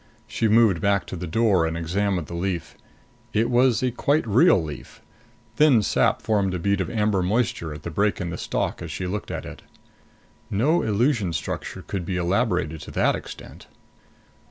She moved back to the door and examined the leaf. It was a quite real leaf. Thin sap formed a bead of amber moisture at the break in the stalk as she looked at it. No illusion structure could be elaborated to that extent.